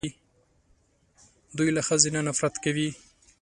دوی له ښځې نه نفرت کوي